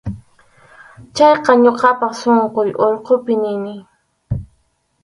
Chayqa ñuqapas sunquy ukhupi nini.